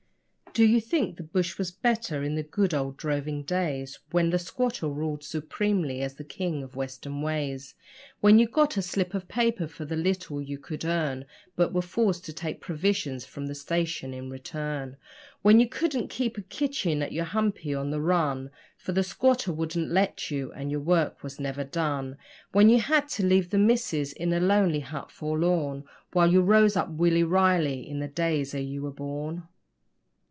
Do you think the bush was better in the 'good old droving days', When the squatter ruled supremely as the king of western ways, When you got a slip of paper for the little you could earn, But were forced to take provisions from the station in return When you couldn't keep a chicken at your humpy on the run, For the squatter wouldn't let you and your work was never done; When you had to leave the missus in a lonely hut forlorn While you 'rose up Willy Riley' in the days ere you were born?